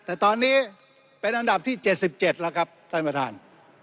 แต่ตอนนี้เป็นอันดับที่๗๗แล้วครับท่านประธาน